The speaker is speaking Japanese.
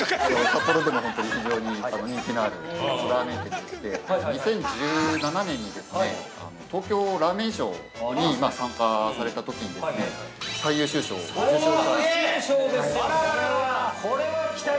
◆札幌でも非常に人気のあるラーメン店でして２０１７年に東京ラーメンショーに参加されたときに最優秀賞を受賞した。